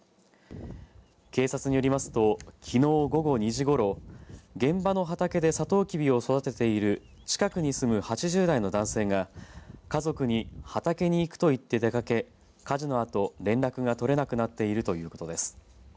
警察によりますときのう午後２時ごろ現場の畑でサトウキビを育てている近くに住む８０代の男性が家族に畑に行くと言って出かけ火事のあと連絡が取れなくなっているということです。